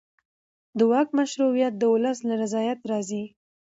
د واک مشروعیت د ولس له رضایت راځي